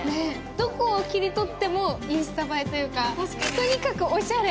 どこを切り取ってもインスタ映えというかとにかくおしゃれ。